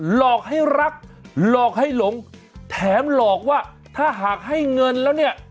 หลอกให้รักหลอกให้หลงแถมหลอกว่าถ้าหากให้เงินแล้วเนี่ย